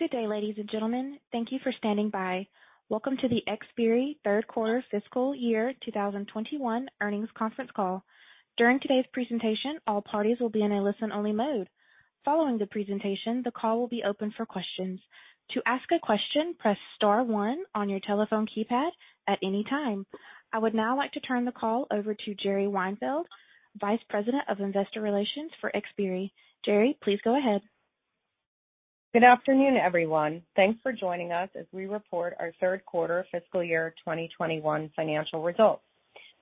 Good day, ladies and gentlemen. Thank you for standing by. Welcome to the Xperi third quarter fiscal year 2021 earnings conference call. During today's presentation, all parties will be in a listen-only mode. Following the presentation, the call will be open for questions. To ask a question, press star one on your telephone keypad at any time. I would now like to turn the call over to Geri Weinfeld, Vice President of Investor Relations for Xperi. Geri, please go ahead. Good afternoon, everyone. Thanks for joining us as we report our third quarter fiscal year 2021 financial results.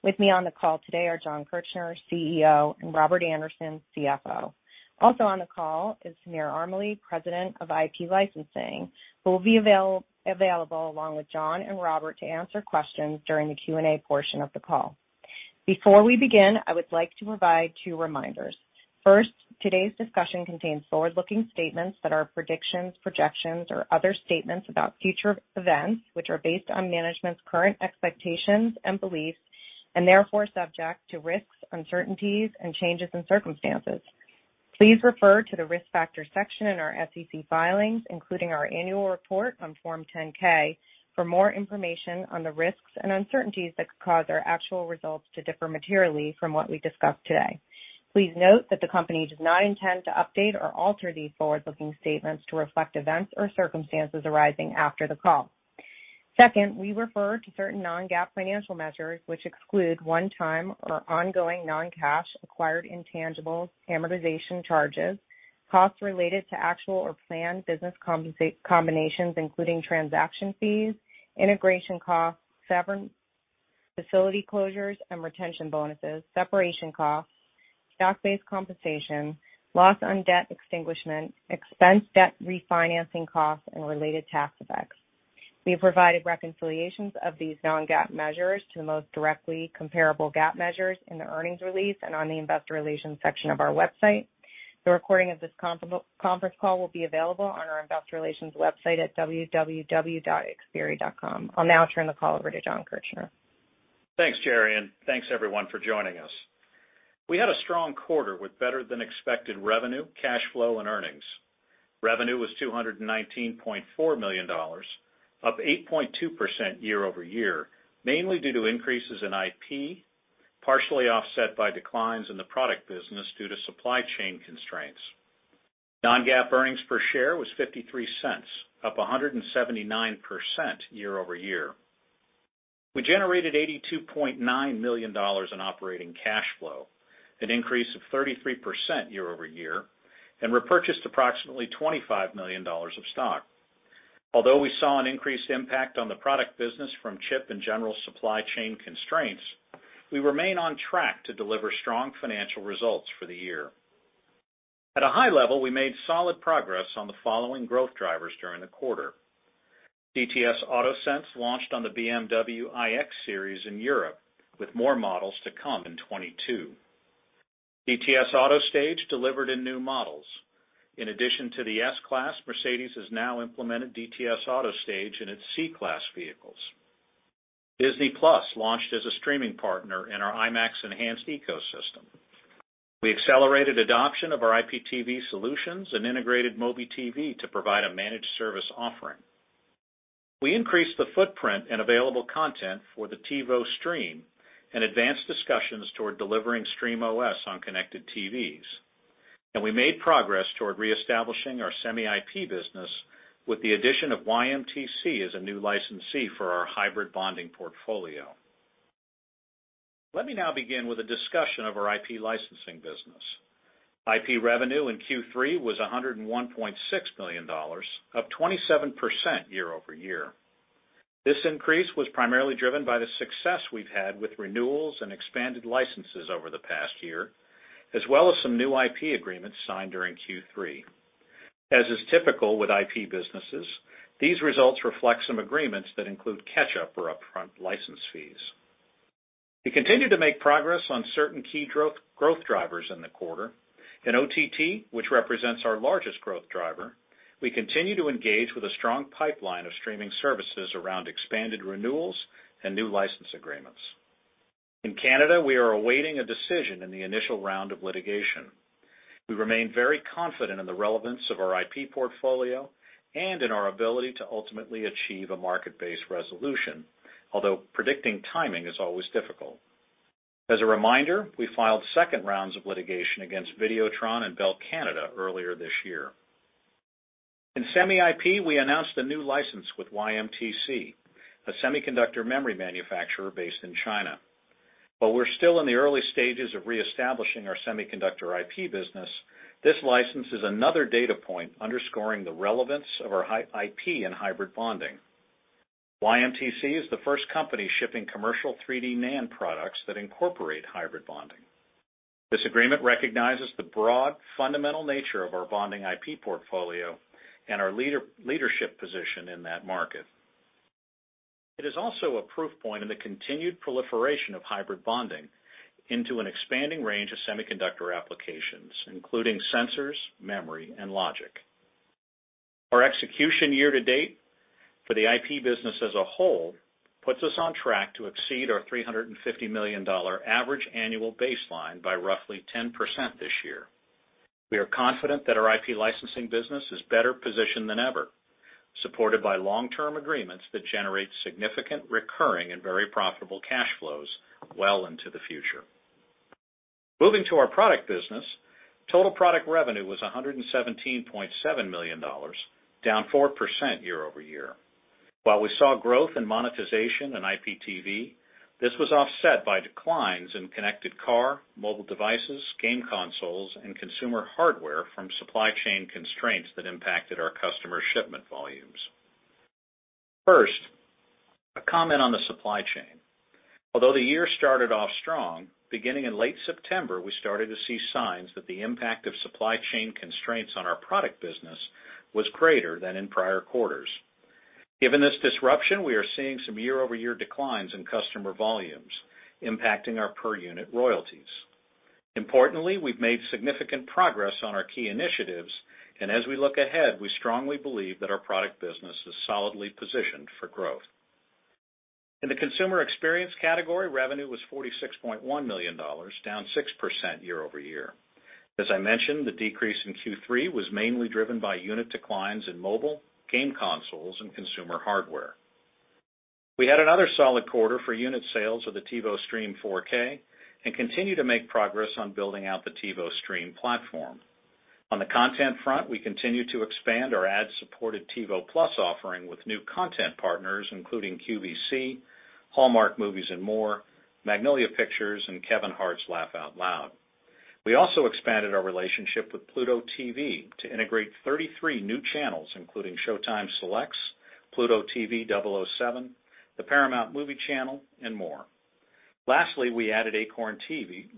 With me on the call today are Jon Kirchner, CEO, and Robert Andersen, CFO. Also on the call is Samir Armaly, President of IP Licensing, who will be available along with Jon and Robert to answer questions during the Q&A portion of the call. Before we begin, I would like to provide two reminders. First, today's discussion contains forward-looking statements that are predictions, projections, or other statements about future events, which are based on management's current expectations and beliefs and therefore subject to risks, uncertainties, and changes in circumstances. Please refer to the Risk Factors section in our SEC filings, including our annual report on Form 10-K, for more information on the risks and uncertainties that could cause our actual results to differ materially from what we discuss today. Please note that the company does not intend to update or alter these forward-looking statements to reflect events or circumstances arising after the call. Second, we refer to certain non-GAAP financial measures which exclude one-time or ongoing non-cash acquired intangibles amortization charges, costs related to actual or planned business combinations including transaction fees, integration costs, severance, facility closures and retention bonuses, separation costs, stock-based compensation, loss on debt extinguishment, and debt refinancing costs and related tax effects. We have provided reconciliations of these non-GAAP measures to the most directly comparable GAAP measures in the earnings release and on the investor relations section of our website. The recording of this conference call will be available on our investor relations website at www.xperi.com. I'll now turn the call over to Jon Kirchner. Thanks, Geri, and thanks everyone for joining us. We had a strong quarter with better than expected revenue, cash flow, and earnings. Revenue was $219.4 million, up 8.2% year-over-year, mainly due to increases in IP, partially offset by declines in the product business due to supply chain constraints. Non-GAAP earnings per share was $0.53, up 179% year-over-year. We generated $82.9 million in operating cash flow, an increase of 33% year-over-year, and repurchased approximately $25 million of stock. Although we saw an increased impact on the product business from chip and general supply chain constraints, we remain on track to deliver strong financial results for the year. At a high level, we made solid progress on the following growth drivers during the quarter. DTS AutoSense launched on the BMW iX series in Europe, with more models to come in 2022. DTS AutoStage delivered in new models. In addition to the S-Class, Mercedes has now implemented DTS AutoStage in its C-Class vehicles. Disney+ launched as a streaming partner in our IMAX Enhanced ecosystem. We accelerated adoption of our IPTV solutions and integrated MobiTV to provide a managed service offering. We increased the footprint and available content for the TiVo Stream and advanced discussions toward delivering Stream OS on connected TVs. We made progress toward reestablishing our semi IP business with the addition of YMTC as a new licensee for our hybrid bonding portfolio. Let me now begin with a discussion of our IP licensing business. IP revenue in Q3 was $101.6 million, up 27% year-over-year. This increase was primarily driven by the success we've had with renewals and expanded licenses over the past year, as well as some new IP agreements signed during Q3. As is typical with IP businesses, these results reflect some agreements that include catch-up or upfront license fees. We continued to make progress on certain key growth drivers in the quarter. In OTT, which represents our largest growth driver, we continue to engage with a strong pipeline of streaming services around expanded renewals and new license agreements. In Canada, we are awaiting a decision in the initial round of litigation. We remain very confident in the relevance of our IP portfolio and in our ability to ultimately achieve a market-based resolution, although predicting timing is always difficult. As a reminder, we filed second rounds of litigation against Vidéotron and Bell Canada earlier this year. In Semi-IP, we announced a new license with YMTC, a semiconductor memory manufacturer based in China. While we're still in the early stages of reestablishing our semiconductor IP business, this license is another data point underscoring the relevance of our IP and hybrid bonding. YMTC is the first company shipping commercial 3D NAND products that incorporate hybrid bonding. This agreement recognizes the broad fundamental nature of our bonding IP portfolio and our leadership position in that market. It is also a proof point in the continued proliferation of hybrid bonding into an expanding range of semiconductor applications, including sensors, memory, and logic. Our execution year to date. For the IP business as a whole puts us on track to exceed our $350 million average annual baseline by roughly 10% this year. We are confident that our IP licensing business is better positioned than ever, supported by long-term agreements that generate significant recurring and very profitable cash flows well into the future. Moving to our product business, total product revenue was $117.7 million, down 4% year-over-year. While we saw growth in monetization and IPTV, this was offset by declines in connected car, mobile devices, game consoles, and consumer hardware from supply chain constraints that impacted our customer shipment volumes. First, a comment on the supply chain. Although the year started off strong, beginning in late September, we started to see signs that the impact of supply chain constraints on our product business was greater than in prior quarters. Given this disruption, we are seeing some year-over-year declines in customer volumes impacting our per unit royalties. Importantly, we've made significant progress on our key initiatives, and as we look ahead, we strongly believe that our product business is solidly positioned for growth. In the consumer experience category, revenue was $46.1 million, down 6% year-over-year. As I mentioned, the decrease in Q3 was mainly driven by unit declines in mobile, game consoles, and consumer hardware. We had another solid quarter for unit sales of the TiVo Stream 4K and continue to make progress on building out the TiVo Stream platform. On the content front, we continue to expand our ad-supported TiVo+ offering with new content partners, including QVC, Hallmark Movies & More, Magnolia Pictures, and Kevin Hart's Laugh Out Loud. We also expanded our relationship with Pluto TV to integrate 33 new channels, including Showtime Selects, Pluto TV 007, the Paramount Movie Channel, and more. Lastly, we added Acorn TV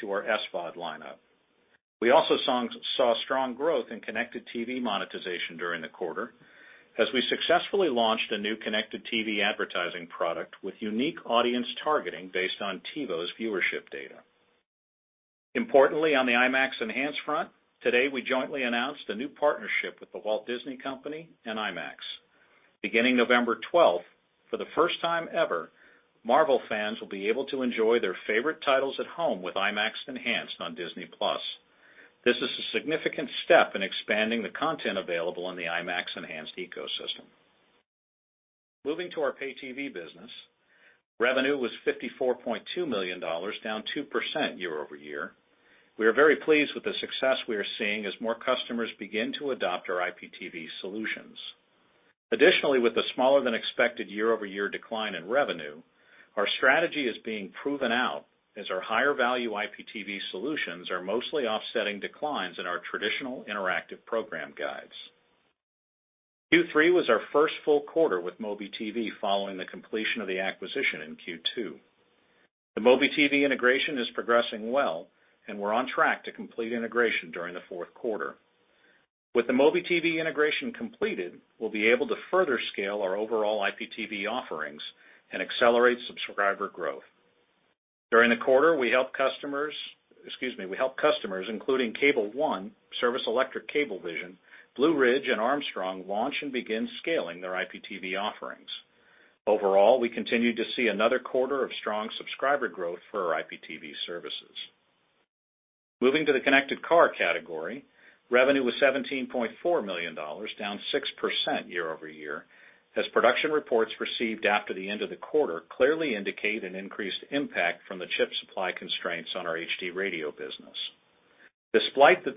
to our SVOD lineup. We also saw strong growth in connected TV monetization during the quarter as we successfully launched a new connected TV advertising product with unique audience targeting based on TiVo's viewership data. Importantly, on the IMAX Enhanced front, today we jointly announced a new partnership with The Walt Disney Company and IMAX. Beginning November 12th, for the first time ever, Marvel fans will be able to enjoy their favorite titles at home with IMAX Enhanced on Disney+. This is a significant step in expanding the content available in the IMAX Enhanced ecosystem. Moving to our pay TV business, revenue was $54.2 million, down 2% year-over-year. We are very pleased with the success we are seeing as more customers begin to adopt our IPTV solutions. Additionally, with the smaller than expected year-over-year decline in revenue, our strategy is being proven out as our higher value IPTV solutions are mostly offsetting declines in our traditional interactive program guides. Q3 was our first full quarter with MobiTV following the completion of the acquisition in Q2. The MobiTV integration is progressing well and we're on track to complete integration during the fourth quarter. With the MobiTV integration completed, we'll be able to further scale our overall IPTV offerings and accelerate subscriber growth. During the quarter, we help customers including Cable One, Service Electric Cablevision, Blue Ridge, and Armstrong launch and begin scaling their IPTV offerings. Overall, we continued to see another quarter of strong subscriber growth for our IPTV services. Moving to the connected car category, revenue was $17.4 million, down 6% year-over-year, as production reports received after the end of the quarter clearly indicate an increased impact from the chip supply constraints on our HD Radio business. Despite the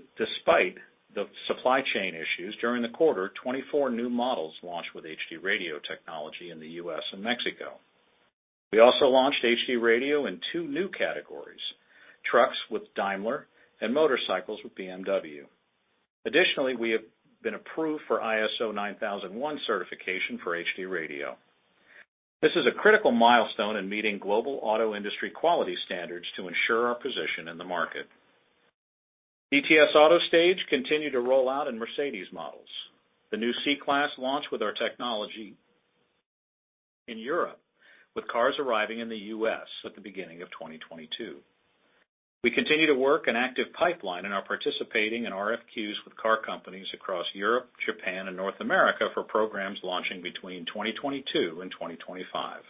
supply chain issues during the quarter, 24 new models launched with HD Radio technology in the U.S. and Mexico. We also launched HD Radio in two new categories: trucks with Daimler and motorcycles with BMW. Additionally, we have been approved for ISO 9001 certification for HD Radio. This is a critical milestone in meeting global auto industry quality standards to ensure our position in the market. DTS AutoStage continued to roll out in Mercedes models. The new C-Class launched with our technology in Europe, with cars arriving in the U.S. at the beginning of 2022. We continue to work an active pipeline and are participating in RFQs with car companies across Europe, Japan, and North America for programs launching between 2022 and 2025.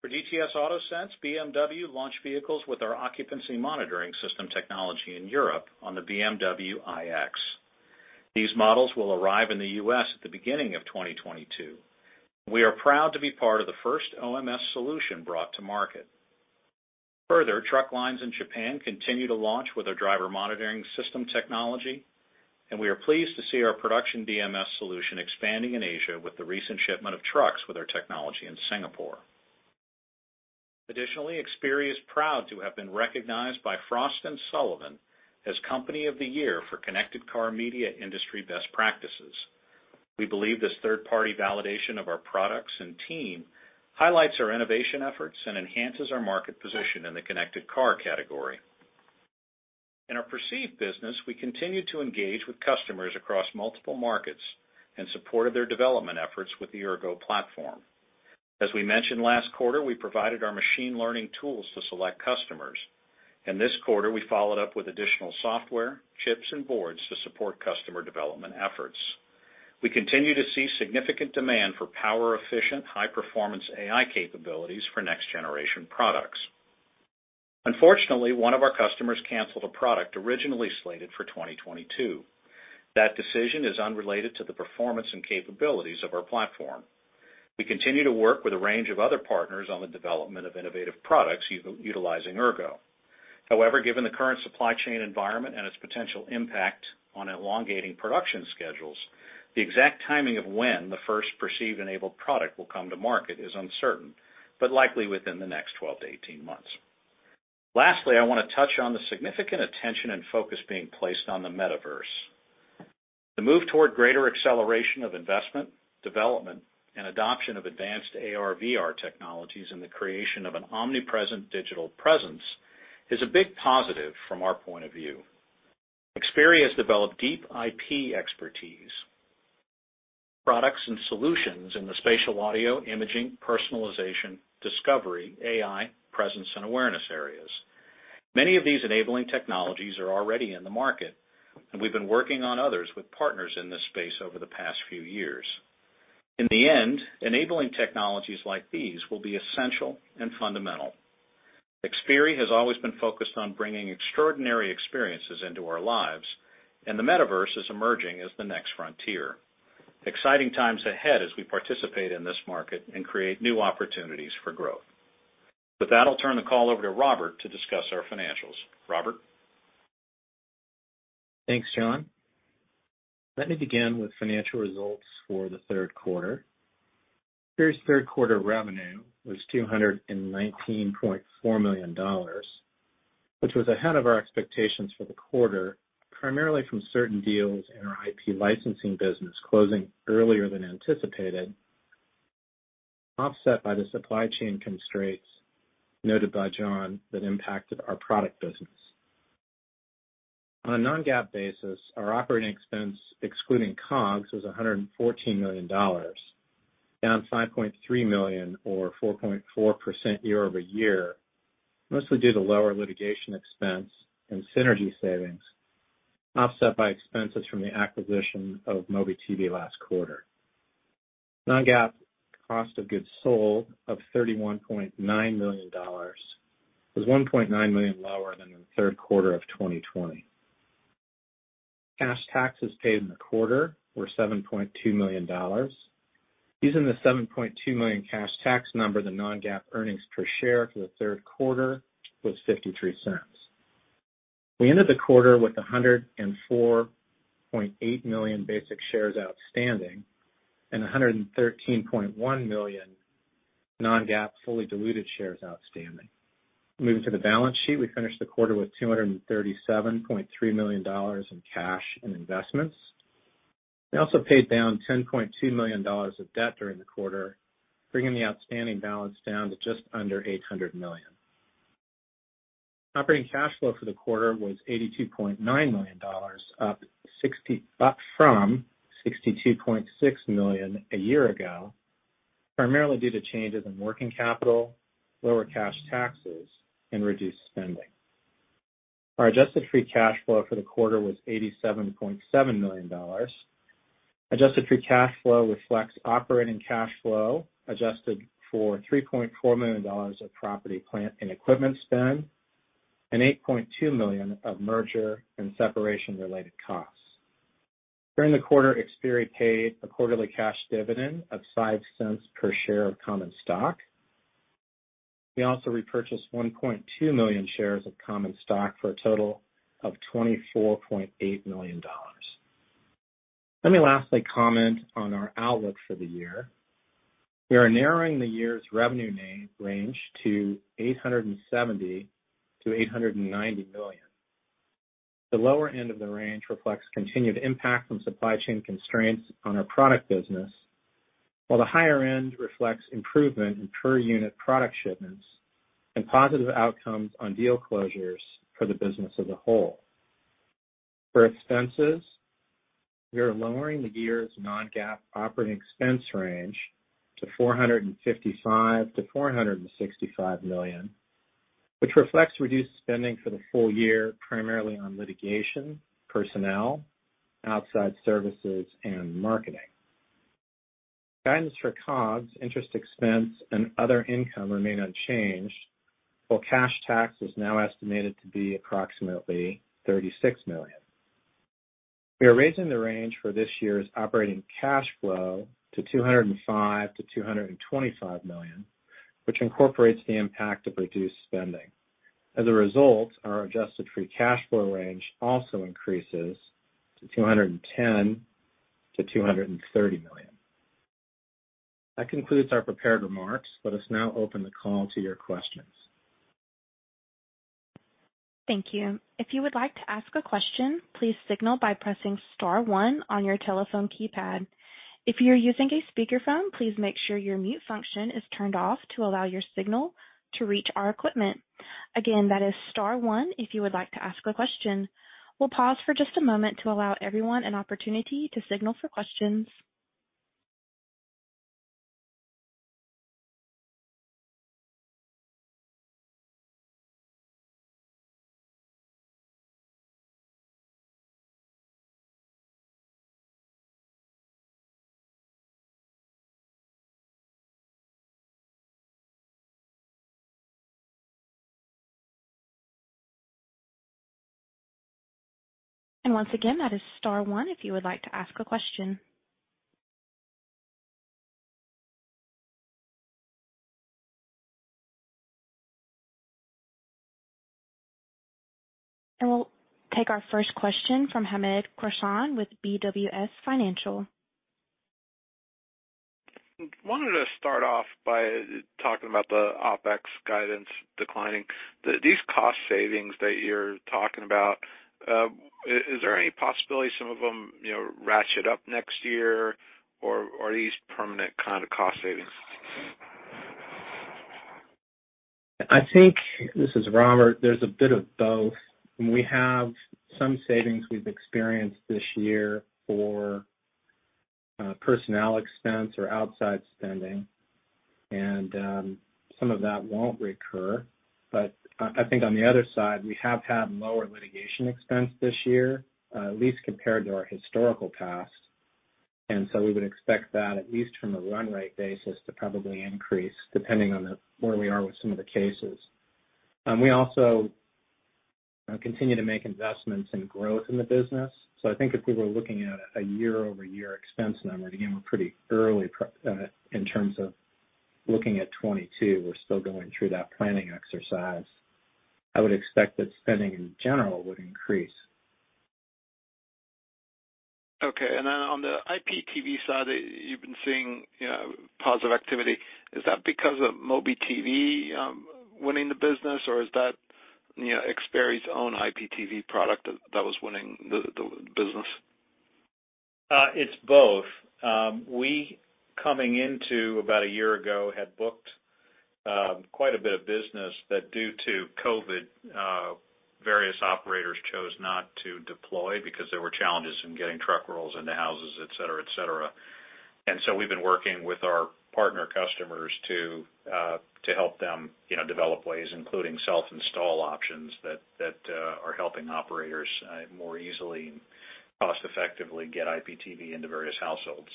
For DTS AutoSense, BMW launched vehicles with our occupancy monitoring system technology in Europe on the BMW iX. These models will arrive in the U.S. at the beginning of 2022. We are proud to be part of the first OMS solution brought to market. Further, truck lines in Japan continue to launch with our driver monitoring system technology, and we are pleased to see our production DMS solution expanding in Asia with the recent shipment of trucks with our technology in Singapore. Additionally, Xperi is proud to have been recognized by Frost & Sullivan as Company of the Year for connected car media industry best practices. We believe this third-party validation of our products and team highlights our innovation efforts and enhances our market position in the connected car category. In our Perceive business, we continue to engage with customers across multiple markets in support of their development efforts with the Ergo platform. As we mentioned last quarter, we provided our machine learning tools to select customers. In this quarter, we followed up with additional software, chips, and boards to support customer development efforts. We continue to see significant demand for power efficient, high performance AI capabilities for next generation products. Unfortunately, one of our customers canceled a product originally slated for 2022. That decision is unrelated to the performance and capabilities of our platform. We continue to work with a range of other partners on the development of innovative products utilizing Ergo. However, given the current supply chain environment and its potential impact on elongating production schedules, the exact timing of when the first Perceive-enabled product will come to market is uncertain, but likely within the next 12-18 months. Lastly, I want to touch on the significant attention and focus being placed on the Metaverse. The move toward greater acceleration of investment, development, and adoption of advanced AR/VR technologies in the creation of an omnipresent digital presence is a big positive from our point of view. Xperi has developed deep IP expertise, products and solutions in the spatial audio, imaging, personalization, discovery, AI, presence, and awareness areas. Many of these enabling technologies are already in the market, and we've been working on others with partners in this space over the past few years. In the end, enabling technologies like these will be essential and fundamental. Xperi has always been focused on bringing extraordinary experiences into our lives, and the Metaverse is emerging as the next frontier. Exciting times ahead as we participate in this market and create new opportunities for growth. With that, I'll turn the call over to Robert to discuss our financials. Robert? Thanks, Jon. Let me begin with financial results for the third quarter. Xperi's third quarter revenue was $219.4 million, which was ahead of our expectations for the quarter, primarily from certain deals in our IP licensing business closing earlier than anticipated, offset by the supply chain constraints noted by Jon that impacted our product business. On a non-GAAP basis, our operating expense excluding COGS was $114 million, down $5.3 million or 4.4% year-over-year, mostly due to lower litigation expense and synergy savings, offset by expenses from the acquisition of MobiTV last quarter. Non-GAAP cost of goods sold of $31.9 million was $1.9 million lower than in the third quarter of 2020. Cash taxes paid in the quarter were $7.2 million. Using the 7.2 million cash tax number, the non-GAAP earnings per share for the third quarter was $0.53. We ended the quarter with 104.8 million basic shares outstanding and 113.1 million non-GAAP fully diluted shares outstanding. Moving to the balance sheet, we finished the quarter with $237.3 million in cash and investments. We also paid down $10.2 million of debt during the quarter, bringing the outstanding balance down to just under $800 million. Operating cash flow for the quarter was $82.9 million, up from $62.6 million a year ago, primarily due to changes in working capital, lower cash taxes, and reduced spending. Our adjusted free cash flow for the quarter was $87.7 million. Adjusted free cash flow reflects operating cash flow, adjusted for $3.4 million of property, plant, and equipment spend, and $8.2 million of merger and separation-related costs. During the quarter, Xperi paid a quarterly cash dividend of $0.05 per share of common stock. We also repurchased 1.2 million shares of common stock for a total of $24.8 million. Let me lastly comment on our outlook for the year. We are narrowing the year's revenue range to $870 million-$890 million. The lower end of the range reflects continued impact from supply chain constraints on our product business, while the higher end reflects improvement in per unit product shipments and positive outcomes on deal closures for the business as a whole. For expenses, we are lowering the year's non-GAAP operating expense range to $455 million-$465 million, which reflects reduced spending for the full year, primarily on litigation, personnel, outside services, and marketing. Guidance for COGS, interest expense, and other income remain unchanged, while cash tax is now estimated to be approximately $36 million. We are raising the range for this year's operating cash flow to $205 million-$225 million, which incorporates the impact of reduced spending. As a result, our adjusted free cash flow range also increases to $210 million-$230 million. That concludes our prepared remarks. Let us now open the call to your questions. Thank you. If you would like to ask a question, please signal by pressing star one on your telephone keypad. If you're using a speakerphone, please make sure your mute function is turned off to allow your signal to reach our equipment. Again, that is star one if you would like to ask a question. We'll pause for just a moment to allow everyone an opportunity to signal for questions. Once again, that is star one if you would like to ask a question. We'll take our first question from Hamed Khorsand with BWS Financial. Wanted to start off by talking about the OpEx guidance declining. These cost savings that you're talking about, is there any possibility some of them, you know, ratchet up next year, or are these permanent kind of cost savings? I think this is Robert. There's a bit of both. We have some savings we've experienced this year for personnel expense or outside spending, and some of that won't recur. I think on the other side, we have had lower litigation expense this year, at least compared to our historical past. We would expect that, at least from a run rate basis, to probably increase depending on where we are with some of the cases. We also continue to make investments in growth in the business. I think if we were looking at a year-over-year expense number, again, we're pretty early in terms of looking at 2022. We're still going through that planning exercise. I would expect that spending in general would increase. Okay. On the IPTV side, you've been seeing, you know, positive activity. Is that because of MobiTV winning the business, or is that, you know, Xperi's own IPTV product that was winning the business? It's both. We coming into about a year ago had booked quite a bit of business that due to COVID various operators chose not to deploy because there were challenges in getting truck rolls into houses, et cetera, et cetera. We've been working with our partner customers to help them, you know, develop ways, including self-install options that are helping operators more easily and cost-effectively get IPTV into various households.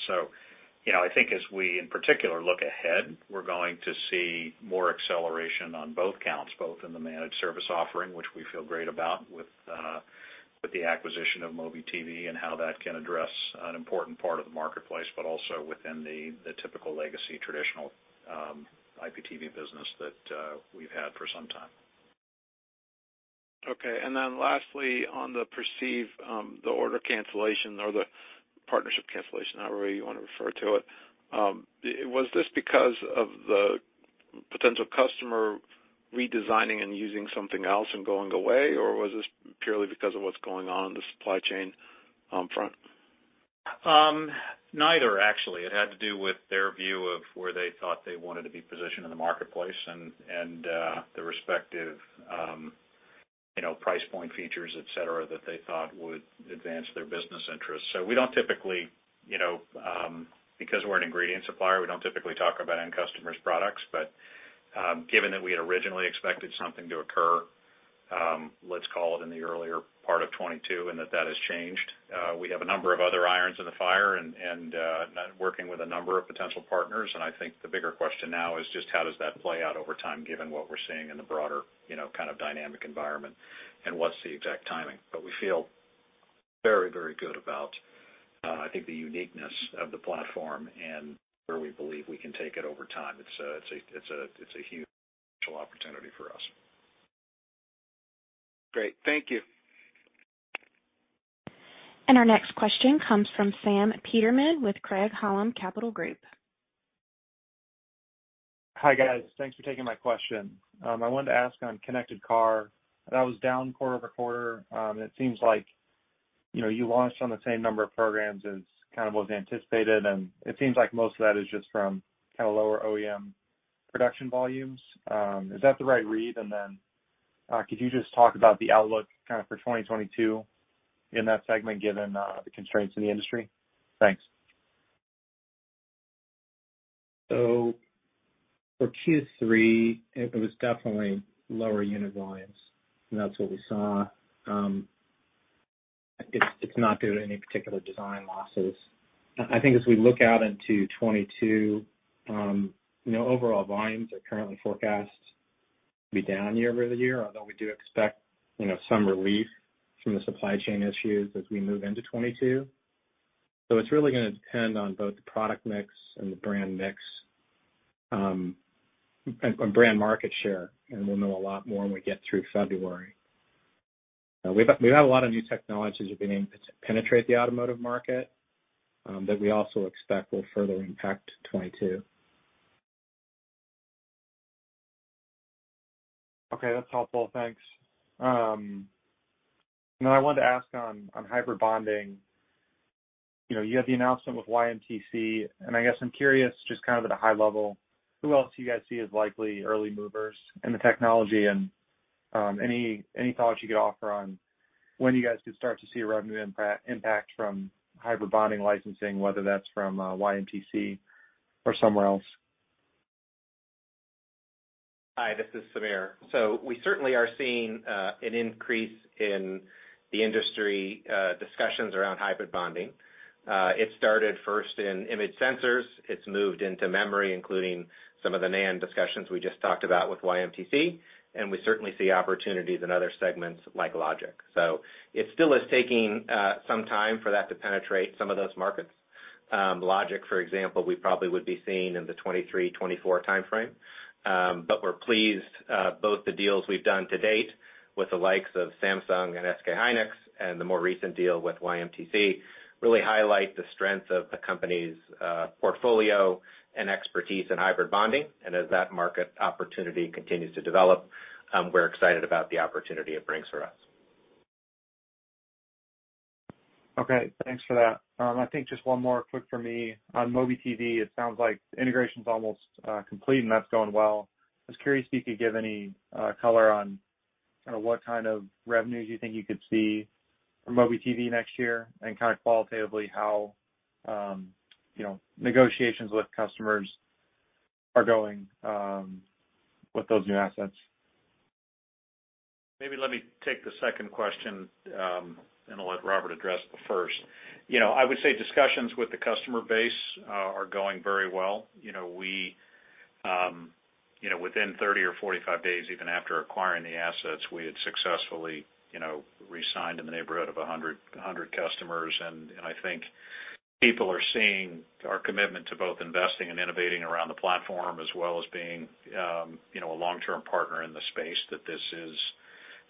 I think as we in particular look ahead, we're going to see more acceleration on both counts, both in the managed service offering, which we feel great about with the acquisition of MobiTV and how that can address an important part of the marketplace, but also within the typical legacy traditional IPTV business that we've had for some time. Okay. Lastly, on the Perceive, the order cancellation or the partnership cancellation, however you wanna refer to it, was this because of the potential customer redesigning and using something else and going away, or was this purely because of what's going on in the supply chain front? Neither, actually. It had to do with their view of where they thought they wanted to be positioned in the marketplace and the respective, you know, price point features, et cetera, that they thought would advance their business interests. We don't typically, you know, because we're an ingredient supplier, we don't typically talk about end customers' products. Given that we had originally expected something to occur, let's call it in the earlier part of 2022, and that that has changed, we have a number of other irons in the fire and working with a number of potential partners. I think the bigger question now is just how does that play out over time given what we're seeing in the broader, you know, kind of dynamic environment, and what's the exact timing. We feel very, very good about, I think, the uniqueness of the platform and where we believe we can take it over time. It's a huge potential opportunity for us. Great. Thank you. Our next question comes from Sam Peterman with Craig-Hallum Capital Group. Hi, guys. Thanks for taking my question. I wanted to ask on Connected Car, that was down quarter-over-quarter. It seems like, you know, you launched on the same number of programs as kind of was anticipated, and it seems like most of that is just from kind of lower OEM production volumes. Is that the right read? Could you just talk about the outlook kind of for 2022 in that segment given the constraints in the industry? Thanks. For Q3, it was definitely lower unit volumes, and that's what we saw. It's not due to any particular design losses. I think as we look out into 2022, you know, overall volumes are currently forecast to be down year-over-year, although we do expect, you know, some relief from the supply chain issues as we move into 2022. It's really gonna depend on both the product mix and the brand mix, and brand market share, and we'll know a lot more when we get through February. We have a lot of new technologies we've been able to penetrate the automotive market that we also expect will further impact 2022. Okay, that's helpful. Thanks. I wanted to ask on hybrid bonding. You know, you had the announcement with YMTC, and I guess I'm curious, just kind of at a high level, who else do you guys see as likely early movers in the technology? Any thoughts you could offer on when you guys could start to see a revenue impact from hybrid bonding licensing, whether that's from YMTC or somewhere else? Hi, this is Samir. We certainly are seeing an increase in the industry discussions around hybrid bonding. It started first in image sensors. It's moved into memory, including some of the NAND discussions we just talked about with YMTC, and we certainly see opportunities in other segments like logic. It still is taking some time for that to penetrate some of those markets. Logic, for example, we probably would be seeing in the 2023, 2024 timeframe. We're pleased both the deals we've done to date with the likes of Samsung and SK hynix and the more recent deal with YMTC really highlight the strength of the company's portfolio and expertise in hybrid bonding. As that market opportunity continues to develop, we're excited about the opportunity it brings for us. Okay, thanks for that. I think just one more quick for me. On MobiTV, it sounds like integration's almost complete, and that's going well. I was curious if you could give any color on kinda what kind of revenues you think you could see from MobiTV next year, and kinda qualitatively how you know, negotiations with customers are going with those new assets. Maybe let me take the second question, and I'll let Robert address the first. You know, I would say discussions with the customer base are going very well. You know, we, you know, within 30 or 45 days, even after acquiring the assets, we had successfully, you know, re-signed in the neighborhood of 100 customers. I think people are seeing our commitment to both investing and innovating around the platform as well as being, you know, a long-term partner in the space, that this is,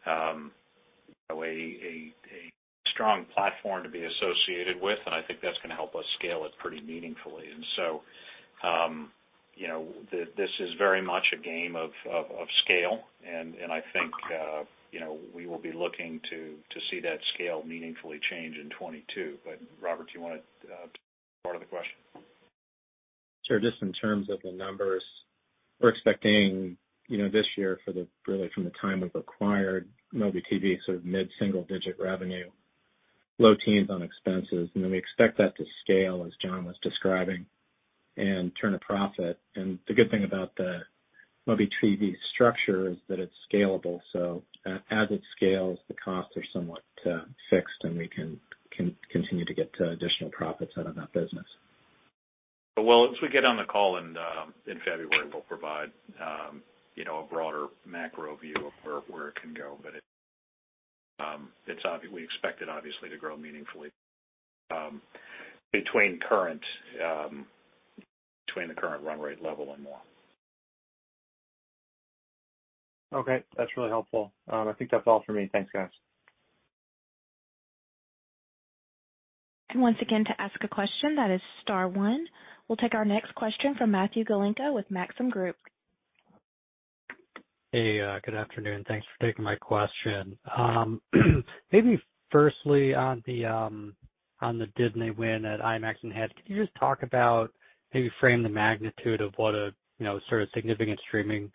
you know, a strong platform to be associated with, and I think that's gonna help us scale it pretty meaningfully. You know, this is very much a game of scale. I think, you know, we will be looking to see that scale meaningfully change in 2022. Robert, do you wanna take part of the question? Sure. Just in terms of the numbers, we're expecting, you know, this year really from the time we've acquired MobiTV, sort of mid-single digit revenue, low teens on expenses. Then we expect that to scale, as Jon was describing, and turn a profit. The good thing about the MobiTV structure is that it's scalable, so as it scales, the costs are somewhat fixed, and we can continue to get additional profits out of that business. Well, as we get on the call in February, we'll provide, you know, a broader macro view of where it can go. We expect it obviously to grow meaningfully between the current run rate level and more. Okay, that's really helpful. I think that's all for me. Thanks, guys. Once again, to ask a question, that is star one. We'll take our next question from Matthew Galinko with Maxim Group. Hey, good afternoon. Thanks for taking my question. Maybe firstly on the Disney win at IMAX Enhanced, can you just talk about, maybe frame the magnitude of what a, you know, sort of significant streaming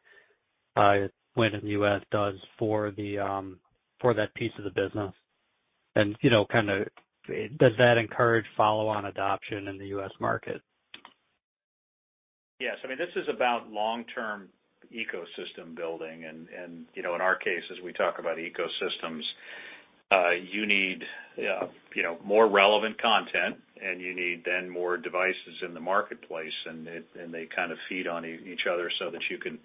win in the U.S. does for that piece of the business? You know, kinda does that encourage follow-on adoption in the U.S. market? Yes. I mean, this is about long-term ecosystem building. You know, in our case, as we talk about ecosystems, you need you know, more relevant content, and you need then more devices in the marketplace, and they kind of feed on each other so that you can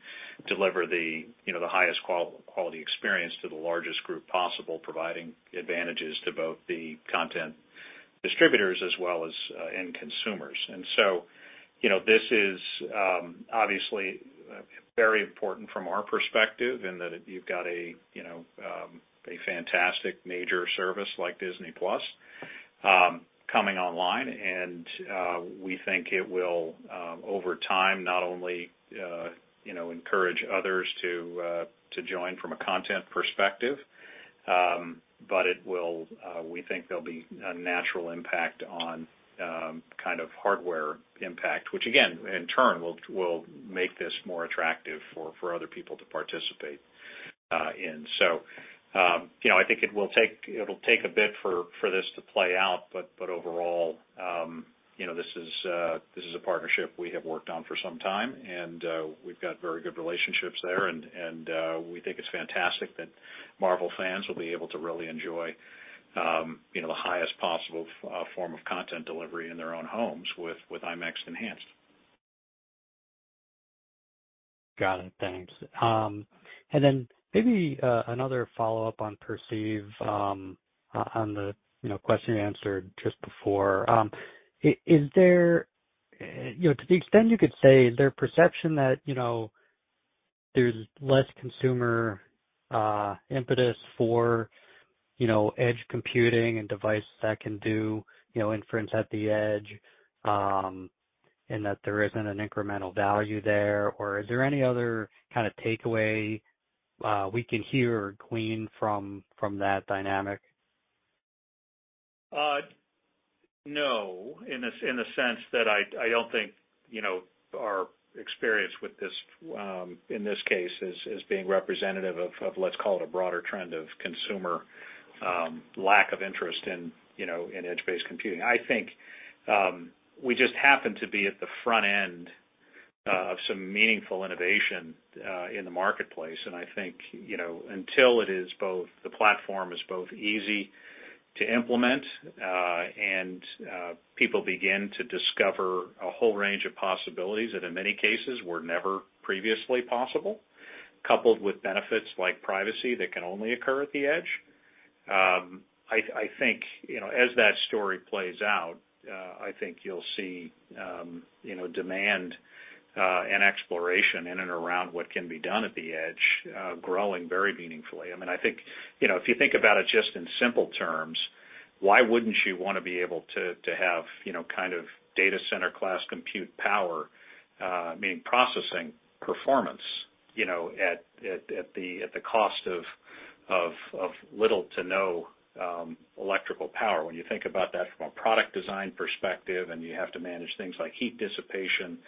deliver the you know, the highest quality experience to the largest group possible, providing advantages to both the content distributors as well as end consumers. You know, this is obviously very important from our perspective in that you've got a you know, a fantastic major service like Disney+, coming online. We think it will, over time, not only, you know, encourage others to join from a content perspective, but it will, we think there'll be a natural impact on, kind of hardware impact, which again, in turn, will make this more attractive for other people to participate in. You know, I think it will take a bit for this to play out. Overall, you know, this is a partnership we have worked on for some time, and we've got very good relationships there. We think it's fantastic that Marvel fans will be able to really enjoy, you know, the highest possible form of content delivery in their own homes with IMAX Enhanced. Got it. Thanks. Maybe another follow-up on Perceive, on the, you know, question you answered just before. Is there, you know, to the extent you could say, is there a perception that, you know, there's less consumer impetus for, you know, edge computing and devices that can do, you know, inference at the edge, and that there isn't an incremental value there? Or is there any other kind of takeaway we can hear or glean from that dynamic? No, in the sense that I don't think, you know, our experience with this in this case as being representative of let's call it a broader trend of consumer lack of interest in, you know, in edge-based computing. I think we just happen to be at the front end of some meaningful innovation in the marketplace. I think, you know, until it is both, the platform is both easy to implement and people begin to discover a whole range of possibilities that in many cases were never previously possible, coupled with benefits like privacy that can only occur at the edge, I think, you know, as that story plays out, I think you'll see, you know, demand and exploration in and around what can be done at the edge growing very meaningfully. I mean, I think, you know, if you think about it just in simple terms, why wouldn't you wanna be able to have, you know, kind of data center class compute power, I mean, processing performance, you know, at the cost of little to no electrical power. When you think about that from a product design perspective, and you have to manage things like heat dissipation,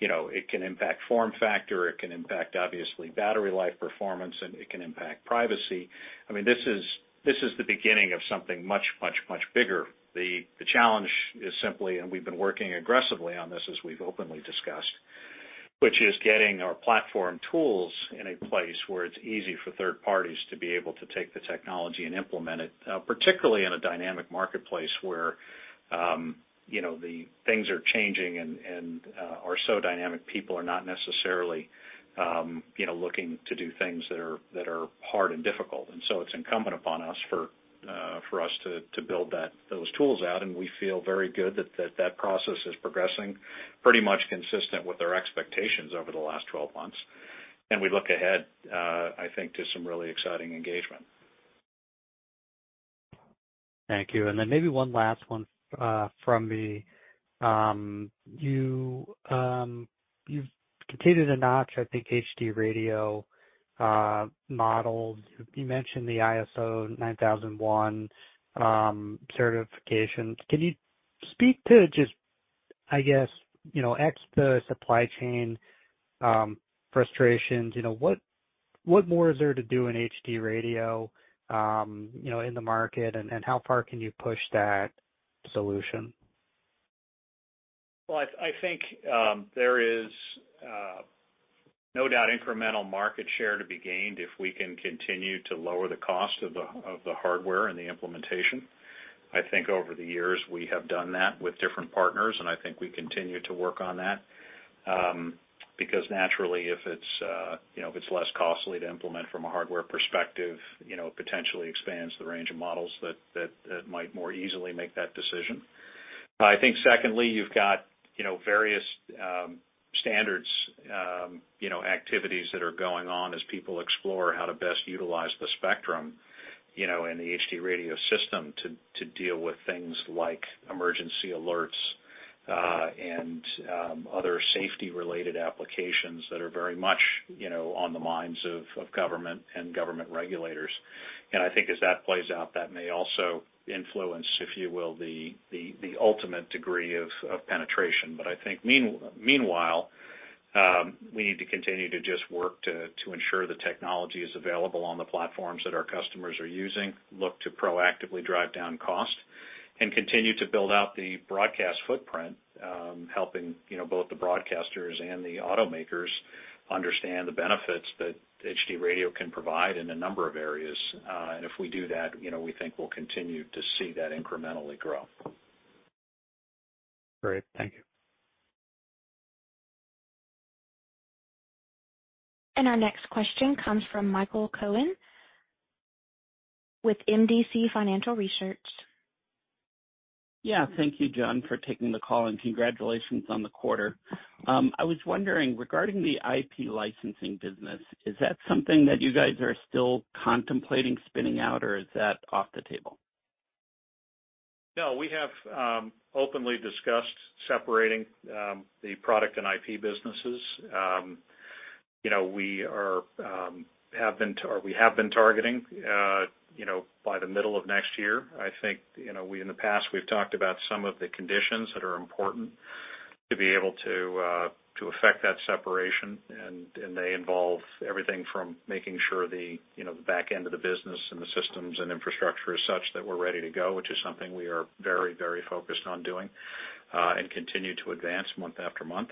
you know, it can impact form factor, it can impact obviously battery life performance, and it can impact privacy. I mean, this is the beginning of something much bigger. The challenge is simply, and we've been working aggressively on this as we've openly discussed, which is getting our platform tools in a place where it's easy for third parties to be able to take the technology and implement it, particularly in a dynamic marketplace where, you know, the things are changing and are so dynamic, people are not necessarily, you know, looking to do things that are hard and difficult. It's incumbent upon us to build those tools out. We feel very good that that process is progressing pretty much consistent with our expectations over the last 12 months. We look ahead, I think to some really exciting engagement. Thank you. Then maybe one last one from me. You've continued to notch, I think, HD Radio models. You mentioned the ISO 9001 certifications. Can you speak to just, I guess, you know, the supply chain frustrations, you know, what more is there to do in HD Radio, you know, in the market, and how far can you push that solution? Well, I think there is no doubt incremental market share to be gained if we can continue to lower the cost of the hardware and the implementation. I think over the years we have done that with different partners, and I think we continue to work on that. Because naturally if it's you know, if it's less costly to implement from a hardware perspective, you know, it potentially expands the range of models that might more easily make that decision. I think secondly, you've got, you know, various, standards, you know, activities that are going on as people explore how to best utilize the spectrum, you know, in the HD Radio system to deal with things like emergency alerts, and other safety-related applications that are very much, you know, on the minds of government and government regulators. I think as that plays out, that may also influence, if you will, the ultimate degree of penetration. I think meanwhile, we need to continue to just work to ensure the technology is available on the platforms that our customers are using, look to proactively drive down cost, and continue to build out the broadcast footprint, helping, you know, both the broadcasters and the automakers understand the benefits that HD Radio can provide in a number of areas. If we do that, you know, we think we'll continue to see that incrementally grow. Great. Thank you. Our next question comes from Michael Cohen with MDC Financial Research. Yeah. Thank you, Jon, for taking the call, and congratulations on the quarter. I was wondering, regarding the IP licensing business, is that something that you guys are still contemplating spinning out, or is that off the table? No, we have openly discussed separating the product and IP businesses. You know, we have been targeting, you know, by the middle of next year. I think, you know, we, in the past, we've talked about some of the conditions that are important to be able to effect that separation. They involve everything from making sure, you know, the back end of the business and the systems and infrastructure is such that we're ready to go, which is something we are very, very focused on doing and continue to advance month after month.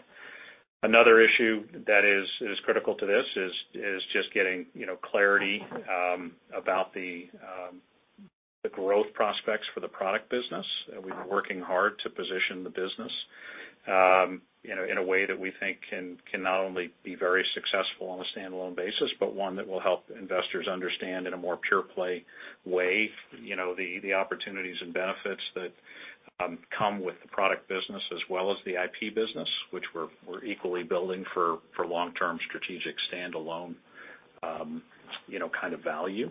Another issue that is critical to this is just getting, you know, clarity about the growth prospects for the product business. We've been working hard to position the business, you know, in a way that we think can not only be very successful on a standalone basis, but one that will help investors understand in a more pure play way, you know, the opportunities and benefits that come with the product business as well as the IP business, which we're equally building for long-term strategic standalone value.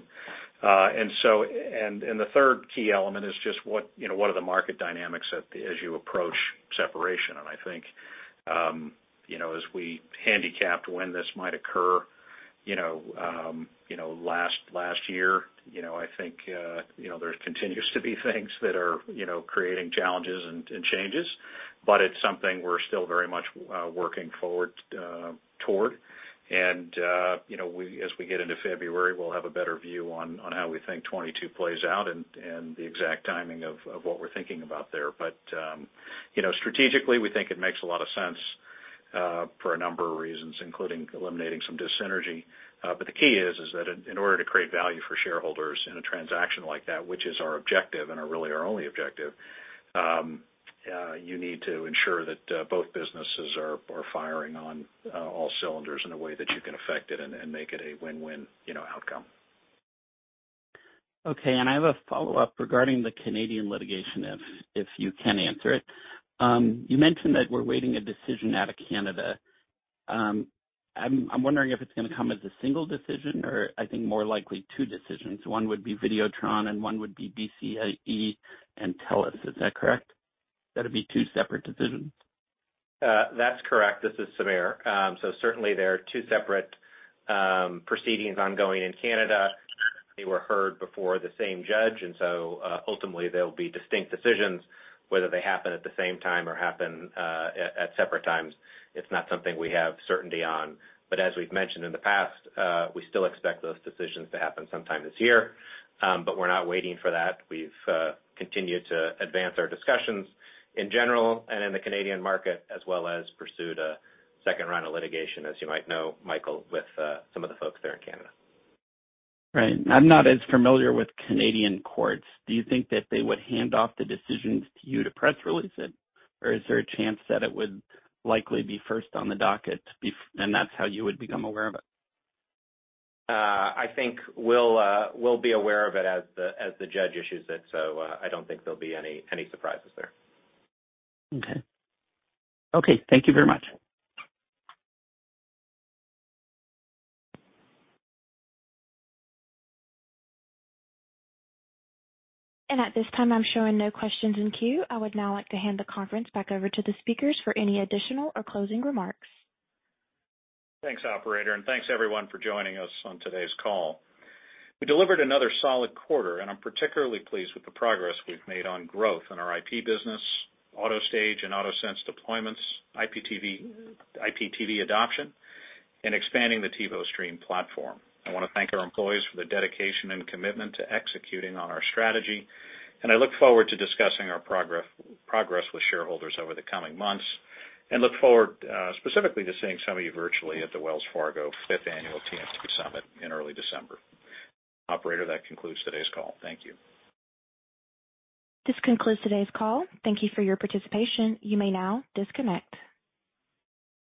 The third key element is just what are the market dynamics as you approach separation. I think, you know, as we handicapped when this might occur, you know, last year, you know, I think, there continues to be things that are, you know, creating challenges and changes, but it's something we're still very much working forward toward. As we get into February, we'll have a better view on how we think 2022 plays out and the exact timing of what we're thinking about there. But, you know, strategically, we think it makes a lot of sense, for a number of reasons, including eliminating some dyssynergy. The key is that in order to create value for shareholders in a transaction like that, which is our objective and really our only objective, you need to ensure that both businesses are firing on all cylinders in a way that you can effect it and make it a win-win, you know, outcome. Okay. I have a follow-up regarding the Canadian litigation, if you can answer it. You mentioned that we're waiting a decision out of Canada. I'm wondering if it's gonna come as a single decision or I think more likely two decisions. One would be Vidéotron and one would be BCE and TELUS. Is that correct? That'd be two separate decisions. That's correct. This is Samir. Certainly there are two separate proceedings ongoing in Canada. They were heard before the same judge, and ultimately, they'll be distinct decisions, whether they happen at the same time or happen at separate times. It's not something we have certainty on. As we've mentioned in the past, we still expect those decisions to happen sometime this year. We're not waiting for that. We've continued to advance our discussions in general and in the Canadian market, as well as pursued a second round of litigation, as you might know, Michael, with some of the folks there in Canada. Right. I'm not as familiar with Canadian courts. Do you think that they would hand off the decisions to you to press release it? Or is there a chance that it would likely be first on the docket and that's how you would become aware of it? I think we'll be aware of it as the judge issues it, so I don't think there'll be any surprises there. Okay. Thank you very much. At this time, I'm showing no questions in queue. I would now like to hand the conference back over to the speakers for any additional or closing remarks. Thanks, operator, and thanks everyone for joining us on today's call. We delivered another solid quarter, and I'm particularly pleased with the progress we've made on growth in our IP business, AutoStage and AutoSense deployments, IPTV adoption, and expanding the TiVo Stream platform. I wanna thank our employees for their dedication and commitment to executing on our strategy, and I look forward to discussing our progress with shareholders over the coming months and look forward specifically to seeing some of you virtually at the Wells Fargo fifth Annual TMT Summit in early December. Operator, that concludes today's call. Thank you. This concludes today's call. Thank you for your participation. You may now disconnect.